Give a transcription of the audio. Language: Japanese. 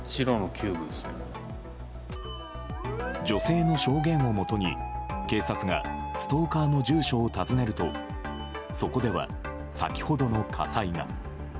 女性の証言をもとに警察がストーカーの住所を訪ねるとそこでは先ほどの火災が。